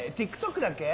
ＴｉｋＴｏｋだっけ？